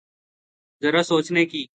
ذرا سوچنے کی۔